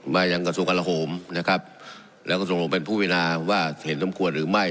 มาจากกัศ่วงกรหละหอมนะครับและกัศ่วงหลงเป็นผู้วินาฯว่าเห็นสมควรหรือไม่